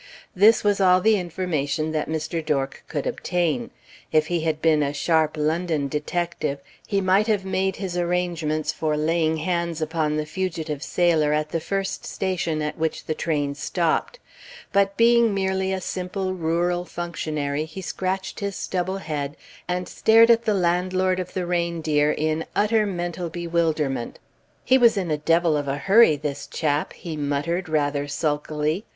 This was all the information that Mr. Dork could obtain. If he had been a sharp London detective, he might have made his arrangements for laying hands upon the fugitive sailor at the first station at which the train stopped; but being merely a simple rural functionary, he scratched his stubble head, and stared at the landlord of the Reindeer in utter mental bewilderment. "He was in a devil of a hurry, this chap," he muttered rather sulkily.